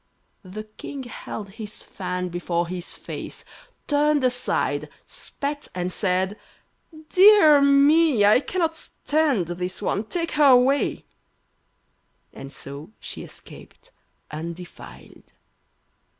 The King held his fan before his face, turned aside, spat, and said, "Dear me, I cannot stand this one, take her away," and so she escaped undefiled.